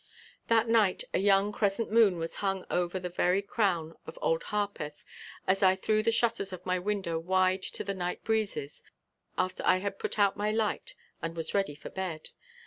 That night a young crescent moon was hung over the very crown of Old Harpeth as I threw the shutters of my window wide to the night breezes after I had put out my light and was ready for bed.